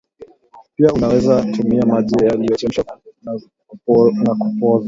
pia unaweza tumia maji yaliyochemshwa na kupozwa